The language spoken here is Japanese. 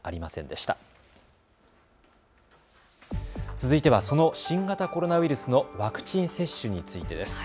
続いてはその新型コロナウイルスのワクチン接種についてです。